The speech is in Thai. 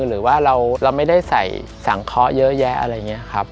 หรือว่าเราไม่ได้ใส่สังเคาะเยอะแยะอะไรอย่างนี้ครับ